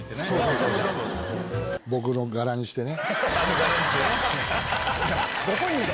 僕の柄にしてね。